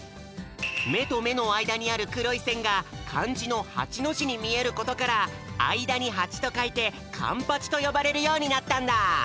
めとめのあいだにあるくろいせんがかんじのはちのじにみえることからあいだにはちとかいて「かんぱち」とよばれるようになったんだ。